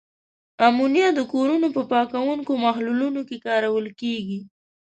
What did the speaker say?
امونیا د کورونو په پاکوونکو محلولونو کې کارول کیږي.